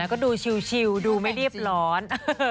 แล้วก็ดูชิวดูไม่ได้ร้อน